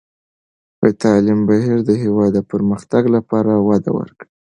د تعلیم بهیر د هېواد د پرمختګ لپاره وده ورکوي.